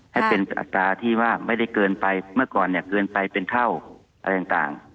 ให้เป็นอัตราที่ว่าไม่ได้เกินไปเมื่อก่อนเนี่ยเกินไปเป็นเท่าอะไรต่าง